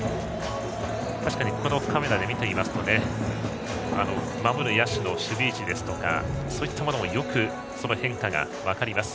確かにこのカメラで見ていますと守る野手の守備位置ですとかそういったものもよく変化が分かります。